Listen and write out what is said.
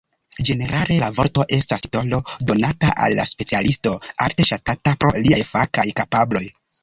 Ĝenerale la vorto estas titolo donata al specialisto alte ŝatata pro liaj fakaj kapabloj.